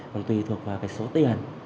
còn tùy thuộc vào cái số tiền